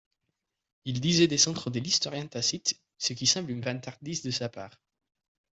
Il disait descendre de l’historien Tacite, ce qui semble une vantardise de sa part.